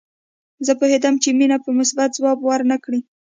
زه پوهېدم چې مينه به مثبت ځواب ورنه کړي